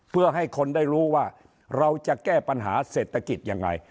เพื่อให้คนได้รู้ว่าเราจะแก้ปัญหาเศรษฐกิจยังไง